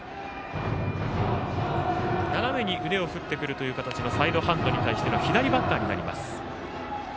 斜めに腕を振ってくるという形のサイドハンドの左バッターになります。